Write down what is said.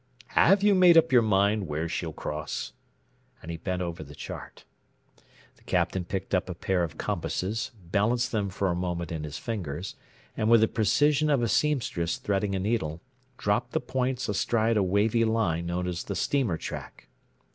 Have you made up your mind where she'll cross?" and he bent over the chart. The Captain picked up a pair of compasses, balanced them for a moment in his fingers, and with the precision of a seamstress threading a needle, dropped the points astride a wavy line known as the steamer track.